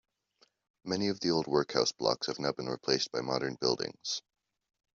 Many of the old workhouse blocks have now been replaced by modern buildings.